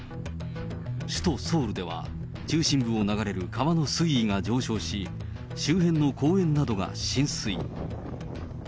首都ソウルでは、中心部を流れる川の水位が上昇し、周辺の公園などが浸水。